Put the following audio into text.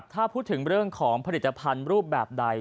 ถ้าพูดถึงเรื่องของผลิตภัณฑ์รูปแบบใด